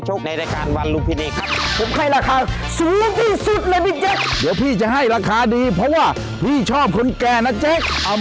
ชกไปเล่นที่ไข้มวยครับ